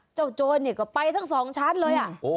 โจรเนี่ยก็ไปทั้งสองชั้นเลย